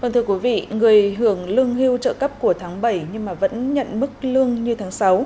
thưa quý vị người hưởng lương hưu trợ cấp của tháng bảy nhưng mà vẫn nhận mức lương như tháng sáu